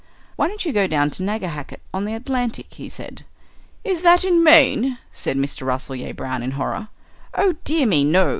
"Why don't you go down to Nagahakett on the Atlantic?" he said. "Is that in Maine?" said Mr. Rasselyer Brown in horror. "Oh, dear me, no!"